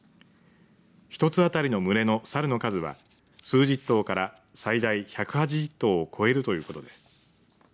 一つ当たりの群れの猿の数は数十頭から最大１８０頭を超えるということです。